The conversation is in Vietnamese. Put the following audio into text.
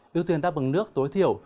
đưa thuyền tác bằng nước tối thiểu